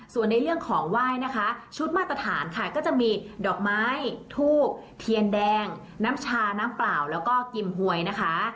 ส่วนในเรื่องของไหว้นะคะชุดมาตรฐานค่ะก็จะมีดอกไม้ทูบเทียนแดงน้ำชาน้ำเปล่าแล้วก็กิมหวยนะคะ